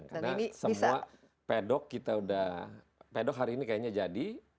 karena semua pedok kita sudah pedok hari ini kayaknya jadi